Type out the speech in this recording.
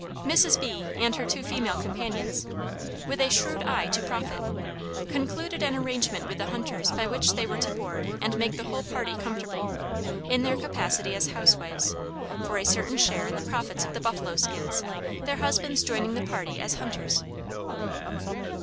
Mrs. B , and her two female companions, with a shrewd eye to profit, concluded an arrangement with the hunters by which they were to board and make the whole party comfortable, in their capacity as housewives, for a certain share in the profits of the buffalo skins, their husbands joining the party as hunters.